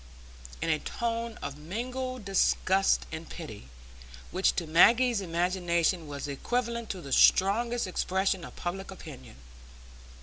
in a tone of mingled disgust and pity, which to Maggie's imagination was equivalent to the strongest expression of public opinion.